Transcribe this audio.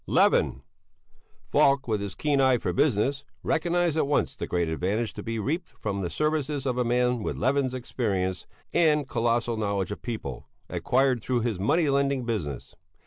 Levin. Falk, with his keen eye for business, recognized at once the great advantage to be reaped from the services of a man with Levin's experience and colossal knowledge of people, acquired through his money lending business.